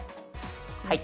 はい。